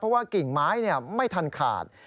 เพราะว่ากิ่งไม้ไม่ทันขาด